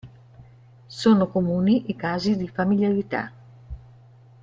Sono comuni i casi di familiarità.